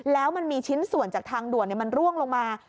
แล้วมันมีชิ้นส่วนจากทางด่วนมันร่วงลงมา